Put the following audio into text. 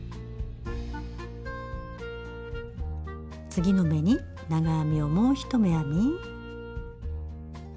次の目に長編みをもう１目編み。